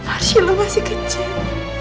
arshila masih kecil